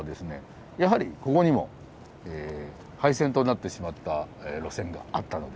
やはりここにも廃線となってしまった路線があったので。